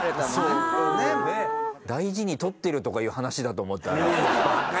大事に取ってるとかいう話だと思ったら。